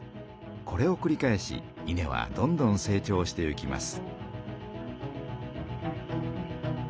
これをくり返し稲はどんどん成長していきます。